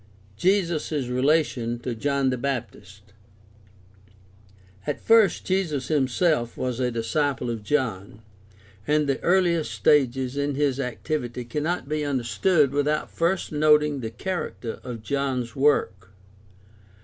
Jesus' relation to John the Baptist. — At first Jesus himself was a disciple of John, and the earliest stages in his activity cannot be understood without first noting the character of John's work.